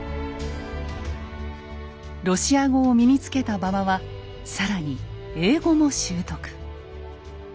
ロシア語を身につけた馬場は更に英語も習得。